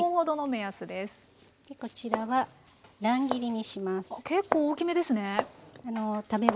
こちらは乱切りにします。